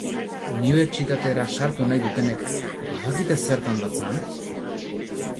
Unibertsitatera sartu nahi dutenek badakite zertan datzan?